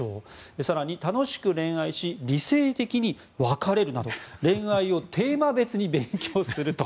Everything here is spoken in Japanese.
更に、楽しく恋愛し理性的に別れるなど恋愛をテーマ別に勉強すると。